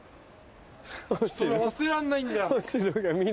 俺忘れられないんだよ。